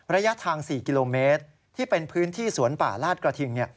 ระยะทาง๔กิโลเมตรที่เป็นพื้นที่สวนป่าลาดกระทิง